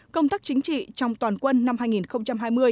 công tác chính trị trong toàn quân năm hai nghìn hai mươi